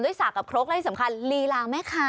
ด้วยศาสตร์กับครกแล้วก็ที่สำคัญลีรานะมั้ยคะ